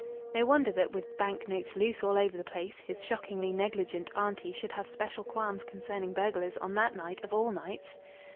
No wonder that, with bank notes loose all over the place, his shockingly negligent auntie should have special qualms concerning burglars on that night of all nights!